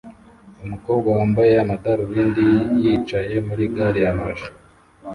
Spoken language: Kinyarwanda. Umukobwa wambaye amadarubindi yicaye muri gari ya moshi